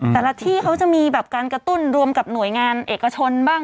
แต่ละที่เขาจะมีแบบการกระตุ้นรวมกับหน่วยงานเอกชนบ้าง